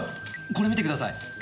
これ見てください！